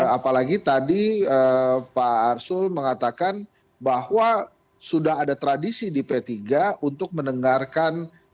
apalagi tadi pak arsul mengatakan bahwa sudah ada tradisi di p tiga untuk mendengarkan